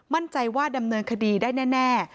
มั่นใจว่าดำเนินคดีได้แน่